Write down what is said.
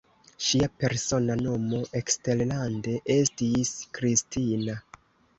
Ŝia persona nomo eksterlande estis Kristina.